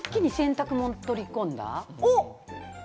一気に洗濯物を取り込んだ？